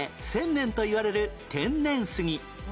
１０００年といわれる天然杉